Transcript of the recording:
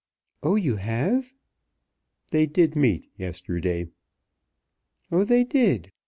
"Oh, you have?" "They did meet yesterday." "Oh, they did.